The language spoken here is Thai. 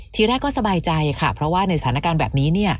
ทีแรกก็สบายใจค่ะเพราะว่าในสถานการณ์แบบนี้